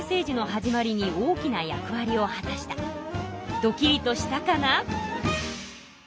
ドキリとしたかな？